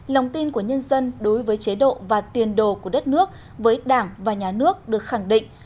lòng tin của nhân dân đối với chế độ và tiền đồ của đất nước với đảng và nhà nước được khẳng định